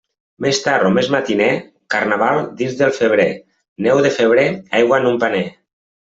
Més tard o més matiner, Carnaval, dins del febrer Neu de febrer, aigua en un paner.